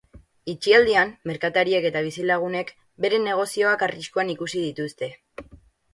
Itxialdian, merkatariek eta bizilagunek beren negozioak arriskuan ikusi dituzte.